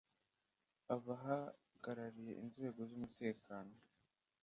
abahagarariye inzego z’umutekano